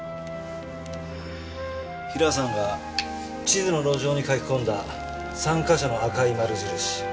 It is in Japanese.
ヒラさんが地図の路上に描き込んだ３か所の赤い丸印。